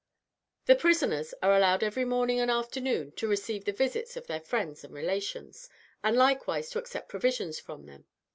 The prisoners are allowed every morning and afternoon to receive the visits of their friends and relations, and likewise to accept provisions from them.